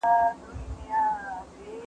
ایا د اوسنۍ زمانې حالات پر تاریخ تاثیر لري؟